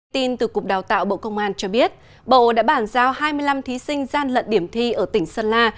tin từ cục đào tạo bộ công an cho biết bộ đã bản giao hai mươi năm thí sinh gian lận điểm thi ở tỉnh sơn la